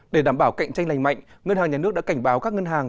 để đảm bảo cạnh tranh lành mạnh ngân hàng nhà nước đã cảnh báo các ngân hàng